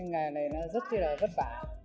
nhưng mà cái ngày này nó rất là vất vả